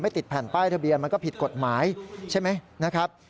ติดแผ่นป้ายทะเบียนมันก็ผิดกฎหมายใช่ไหมนะครับ